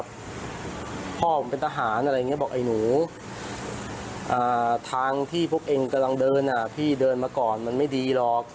บอกไอหนูทางที่พวกเองกำลังเดินพี่เดินมาก่อนมันไม่ดีหรอก